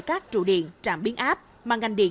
các trụ điện trạm biến áp mà ngành điện